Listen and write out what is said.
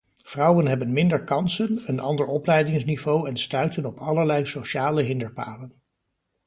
Vrouwen hebben minder kansen, een ander opleidingsniveau en stuiten op allerlei sociale hinderpalen.